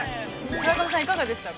◆村上さん、いかがでしたか。